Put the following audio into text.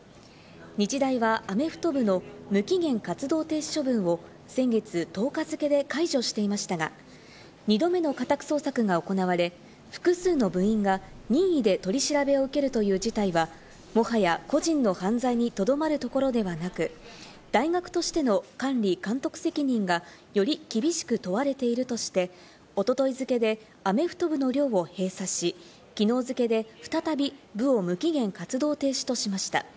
日大はアメフト部の無期限活動停止処分を先月１０日付で解除していましたが、２度目の家宅捜索が行われ、複数の部員が任意で取り調べを受けるという事態はもはや個人の犯罪にとどまるところではなく、大学としての管理監督責任がより厳しく問われているとして、おととい付でアメフト部の寮を閉鎖し、きのう付で再び部を無期限活動停止としました。